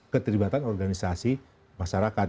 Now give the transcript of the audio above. keterlibatan organisasi masyarakat